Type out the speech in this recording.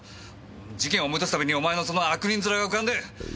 事件を思い出すたびにお前のその悪人面が浮かんで思い出せねえんだよ！